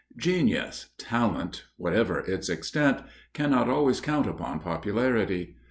Genius talent, whatever its extent cannot always count upon popularity.